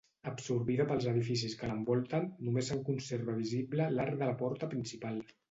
Absorbida pels edificis que l'envolten, només se'n conserva visible l'arc de la porta principal.